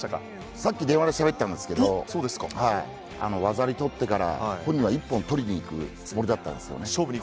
さっき電話でしゃべってたんですけど技あり取ってから本人は一本取りにいくつもりだったんですよね。